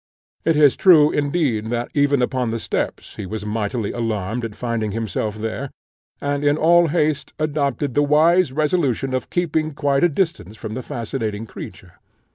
It is true, indeed, that even upon the steps he was mightily alarmed at finding himself there, and in all haste adopted the wise resolution of keeping quite at a distance from the fascinating creature.